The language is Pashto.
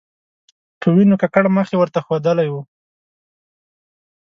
په وینو ککړ مخ یې ورته ښودلی و.